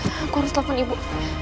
aku harus telepon ibu